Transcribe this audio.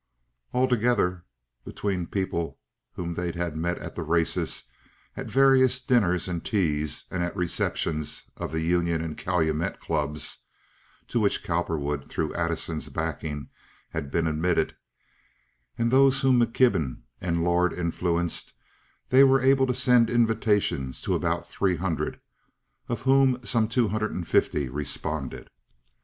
Altogether, between people whom they had met at the races, at various dinners and teas, and at receptions of the Union and Calumet Clubs (to which Cowperwood, through Addison's backing, had been admitted) and those whom McKibben and Lord influenced, they were able to send invitations to about three hundred, of whom some two hundred and fifty responded.